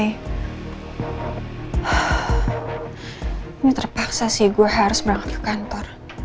ini terpaksa sih gue harus berangkat ke kantor